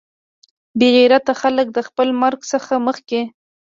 بې غیرته خلک د خپل مرګ څخه مخکې.